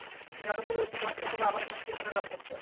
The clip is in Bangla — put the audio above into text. তিনি যাদবপুরের টি বি হাসপাতালে আবাসিক চিকিৎসকের কাজ করতেন।